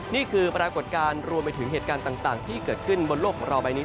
นี่คือปรากฏการณ์รวมไปถึงเหตุการณ์ต่างที่เกิดขึ้นบนโลกของเราใบนี้